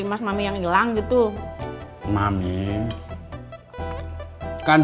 apakah itu salah saya akan menyidari mami yang kehilangan